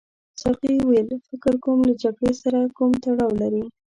ساقي وویل فکر کوم له جګړې سره کوم تړاو لري.